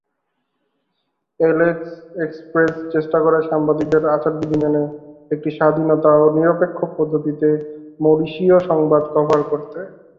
L'Express" চেষ্টা করে সাংবাদিকদের আচার বিধি মেনে, একটি স্বাধীন ও নিরপেক্ষ পদ্ধতিতে মরিশীয় সংবাদ কভার করতে।